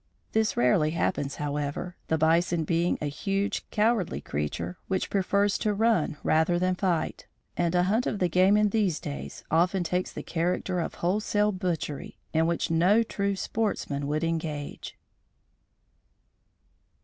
This rarely happens, however, the bison being a huge, cowardly creature which prefers to run rather than fight, and a hunt of the game in these days often takes the character of wholesale butchery in which no true sportsman would engage.